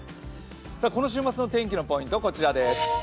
この週末の天気のポイントはこちらです。